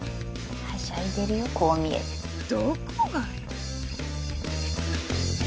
はしゃいでるよこう見えてどこがよ